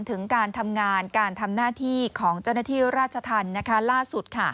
ถึงการทำงานการทำหน้าที่ของเจ้าหน้าที่ราชธรรมล่าสุด